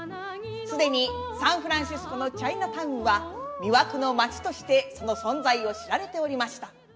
すでにサンフランシスコのチャイナタウンは魅惑の街としてその存在を知られておりました